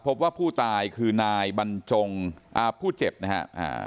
พบว่าผู้ตายคือนายบรรจงอ่าผู้เจ็บนะฮะอ่า